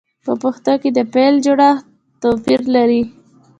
په پښتو کې د فعل جوړښت توپیر لري.